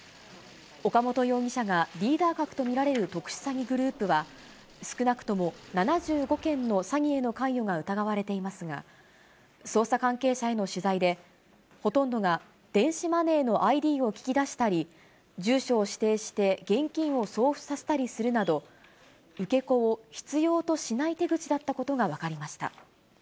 岡本容疑者がリーダー格と見られる特殊詐欺グループは、少なくとも７５件の詐欺への関与が疑われていますが、捜査関係者への取材で、ほとんどが電子マネーのＩＤを聞き出したり、住所を指定して、現金を送付させたりするなど、受け子を必要としない手口だったことが分かりました。